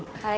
makasih ya